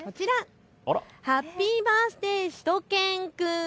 ハッピーバースデーしゅと犬くん。